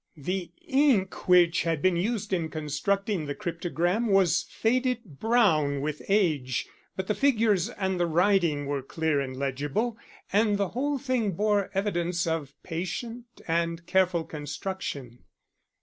The ink which had been used in constructing the cryptogram was faded brown with age, but the figures and the writing were clear and legible, and the whole thing bore evidence of patient and careful construction.